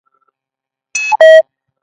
د افغانستان لرغونی تاریخ ویاړلی دی